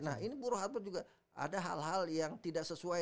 nah ini burohapot juga ada hal hal yang tidak sesuai